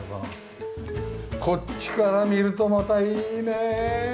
こっちから見るとまたいいねえ。